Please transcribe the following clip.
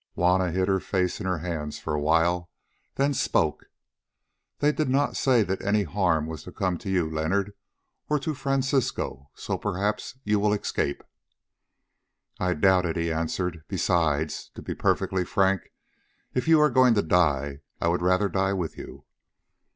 Juanna hid her face in her hands for a while, then spoke: "They did not say that any harm was to come to you, Leonard, or to Francisco, so perhaps you will escape." "I doubt it," he answered; "besides, to be perfectly frank, if you are going to die, I would rather die with you."